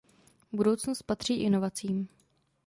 Budoucnost patří inovacím.